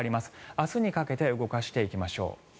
明日にかけて動かしていきましょう。